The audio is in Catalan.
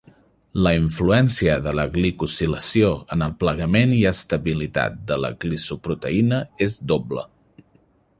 La influència de la glicosilació en el plegament i estabilitat de la glicoproteïna es doble.